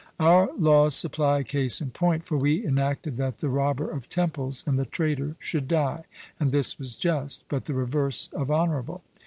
Our laws supply a case in point; for we enacted that the robber of temples and the traitor should die; and this was just, but the reverse of honourable.